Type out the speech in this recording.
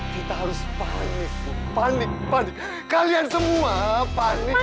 kita harus panik panik panik kalian semua panik